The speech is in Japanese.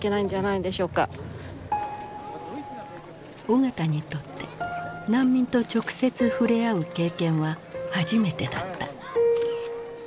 緒方にとって難民と直接触れ合う経験は初めてだった。